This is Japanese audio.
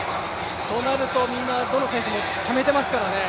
となると、どの選手もためていますからね。